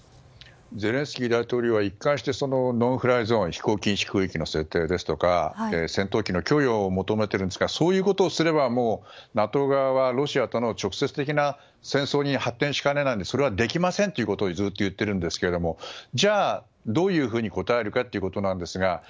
ゼレンスキー大統領は一貫してノンフライゾーン飛行禁止区域の設定ですとか戦闘機の許容を求めているんですがそういうことをすればＮＡＴＯ側はロシアとの直接的な戦争に発展しかねないのでそれはできませんということをずっと言っているんですけどじゃあ、どういうふうに応えるかということですが